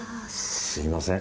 すみません